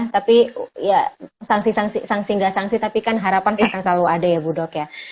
tapi ya sangsi sangsi sangsi nggak sangsi tapi kan harapan akan selalu ada ya budok ya